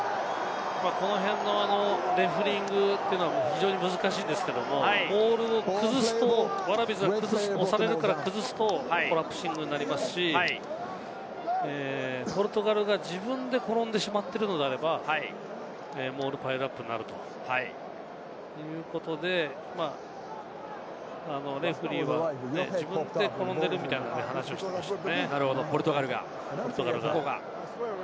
この辺のレフェリングというのは非常に難しいんですけれども、モールを崩すとワラビーズが押されるから、崩すとコラプシングになりますし、ポルトガルが自分で転んでしまっているのであれば、モールパイルアップになるということで、レフェリーは自分で転んでいるみたいな話をしていましたね、ポルトガルが。